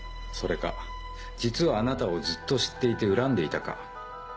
それか実はあなたをずっと知っていて恨んでいたか。